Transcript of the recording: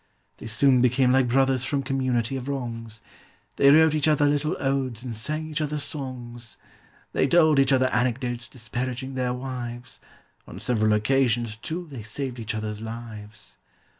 They soon became like brothers from community of wrongs: They wrote each other little odes and sang each other songs; They told each other anecdotes disparaging their wives; On several occasions, too, they saved each other's lives.